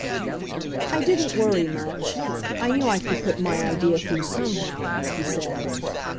"I didn't worry much. I knew I could put my ; idea through somehow," he says.